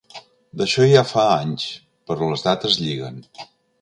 D'això ja fa anys, però les dates lliguen.